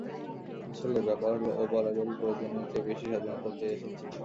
আসলে, ব্যাপার হলো, ও বরাবরই প্রয়োজনের চেয়ে বেশি স্বাধীনতা চেয়ে এসেছে।